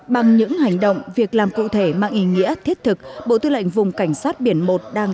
bằng những hành động việc làm cụ thể mang ý nghĩa thiết thực bộ tư lệnh vùng cảnh sát biển một đang